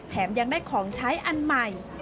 ยังได้ของใช้อันใหม่